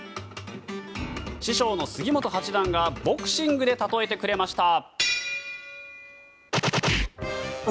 師匠の杉本八段がボクシングで例えてくれました。